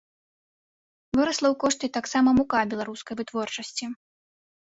Вырасла ў кошце таксама мука беларускай вытворчасці.